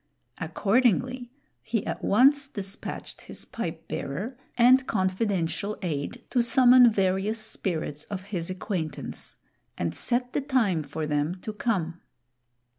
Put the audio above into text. Accordingly he at once despatched his pipe bearer and confidential aid to summon various Spirits of his acquaintance, and set the time for them to come.